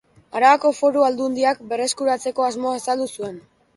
Arabako Foru Aldundiak berreskuratzeko asmoa azaldu zuen.